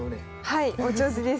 はいお上手です。